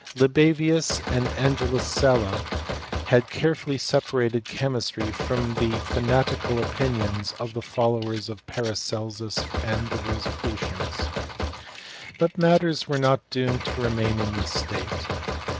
Li bavins and Angelus Sala had carefully separated che mistry from the fanatical opinions of the followers of Paracelsns and the Rosecrucians. But matters were not doomed to remain in this state.